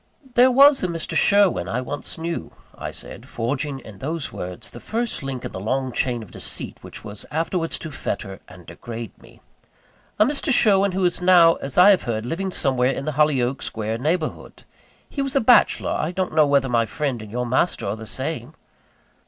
"There was a Mr. Sherwin I once knew," I said, forging in those words the first link in the long chain of deceit which was afterwards to fetter and degrade me "a Mr. Sherwin who is now, as I have heard, living somewhere in the Hollyoake Square neighbourhood. He was a bachelor I don't know whether my friend and your master are the same?"